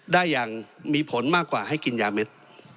ได้อย่างมีผลมากกว่าให้กินยาเม็ด